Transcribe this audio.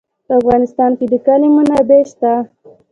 په افغانستان کې د کلي منابع شته.